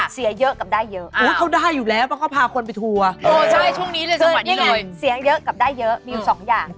เสียเยอะบ้างไงเรียกเยอะกับได้เยอะมีอยู่๒อย่าง